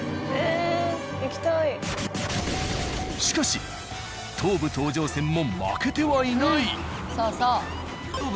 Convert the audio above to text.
しかし東武東上線も負けてはいない。